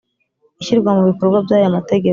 Ishyirwa mu ibikorwa by aya mategeko